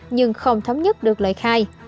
nhưng không thấm nhất được lời khai